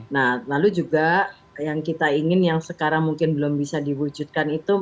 nah lalu juga yang kita ingin yang sekarang mungkin belum bisa diwujudkan itu